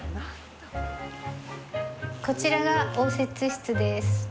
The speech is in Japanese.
こちらが応接室です。